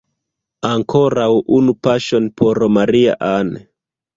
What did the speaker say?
Ankoraŭ unu paŝon por Maria-Ann!